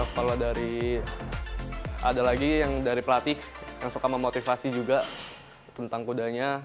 kalau dari ada lagi yang dari pelatih yang suka memotivasi juga tentang kudanya